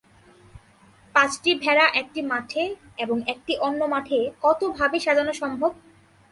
পাঁচটি ভেড়া একটি মাঠে এবং একটি অন্য মাঠে কত ভাবে সাজানো সম্ভব?